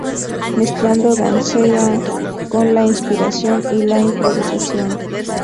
Mezclando dancehall con la inspiración y la improvisación.